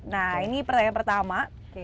nah ini pertanyaan pertama